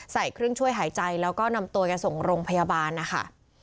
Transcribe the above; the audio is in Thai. ใส่เครื่องช่วยหายใจแล้วก็นำตัวแกส่งโรงพยาบาลนะคะ